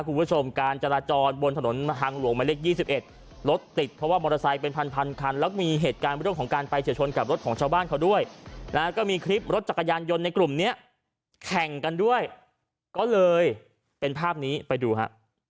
คุณผู้ชมการจราจรบนถนนทางหลวงหมายเลข๒๑รถติดเพราะว่ามอเตอร์ไซค์เป็นพันพันคันแล้วมีเหตุการณ์เรื่องของการไปเฉียวชนกับรถของชาวบ้านเขาด้วยนะฮะก็มีคลิปรถจักรยานยนต์ในกลุ่มเนี้ยแข่งกันด้วยก็เลยเป็นภาพนี้ไปดูฮะ